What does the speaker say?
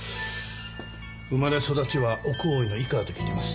生まれ育ちは奥大井の井川と聞いています。